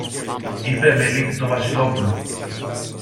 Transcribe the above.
είπε με λύπη το Βασιλόπουλο.